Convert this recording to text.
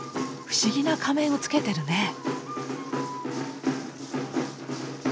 不思議な仮面をつけてるね。